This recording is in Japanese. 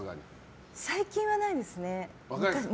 最近はないですね。